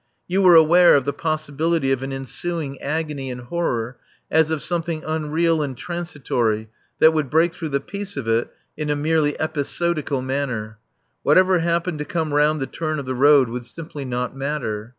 You were aware of the possibility of an ensuing agony and horror as of something unreal and transitory that would break through the peace of it in a merely episodical manner. Whatever happened to come round the turn of the road would simply not matter.